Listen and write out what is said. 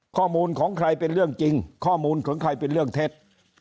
ข้อมูลของใครเป็นเรื่องจริงข้อมูลของใครเป็นเรื่องเท็จ